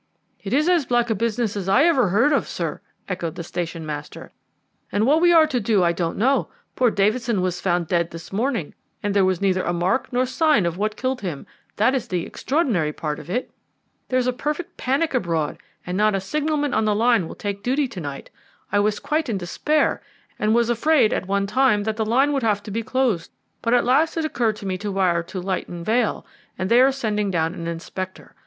"It is as black a business as I ever heard of, sir," echoed the station master; "and what we are to do I don't know. Poor Davidson was found dead this morning, and there was neither mark nor sign of what killed him that is the extraordinary part of it. There's a perfect panic abroad, and not a signalman on the line will take duty to night. I was quite in despair, and was afraid at one time that the line would have to be closed, but at last it occurred to me to wire to Lytton Vale, and they are sending down an inspector.